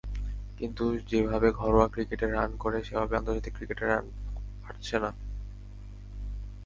কিন্তু যেভাবে ঘরোয়া ক্রিকেটে রান করে, সেভাবে আন্তর্জাতিক ক্রিকেটে পারছে না।